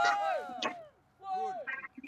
阴谋对付六大门派。